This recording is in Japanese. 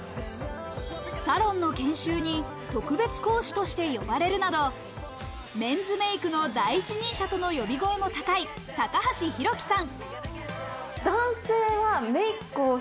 サロンの研修に特別講師とてして呼ばれるなど、メンズメイクの第一人者との呼び声も高い高橋弘樹さん。